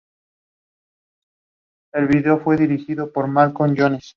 Tuomas Holopainen, fundador de Nightwish, toca el piano y los teclados en el sencillo.